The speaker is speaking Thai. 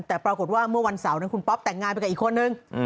แต่ปรากฏว่าเมื่อวันเสาร์นั้นคุณป๊อปแต่งงานไปกับอีกคนนึง